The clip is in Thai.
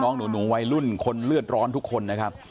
น้องหนูวัยรุ่นคนเลือดร้อนทุกคนนะครับ